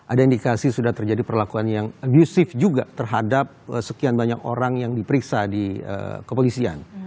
ada indikasi sudah terjadi perlakuan yang agdusif juga terhadap sekian banyak orang yang diperiksa di kepolisian